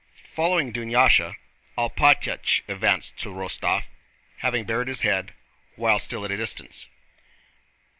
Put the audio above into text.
Following Dunyásha, Alpátych advanced to Rostóv, having bared his head while still at a distance.